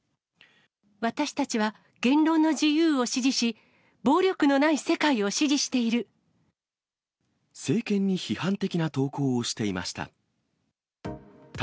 私たちは言論の自由を支持し、政権に批判的な投稿をしていました。